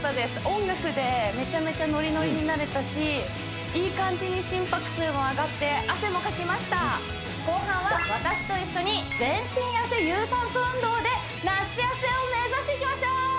音楽でめちゃめちゃノリノリになれたしいい感じに心拍数も上がって汗もかきました後半は私と一緒に全身痩せ有酸素運動で夏痩せを目指していきましょう！